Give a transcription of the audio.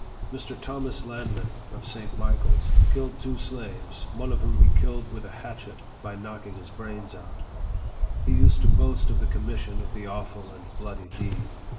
Mr. Thomas Lanman, of St. Michael's, killed two slaves, one of whom he killed with a hatchet, by knocking his brains out. He used to boast of the commission of the awful and bloody deed.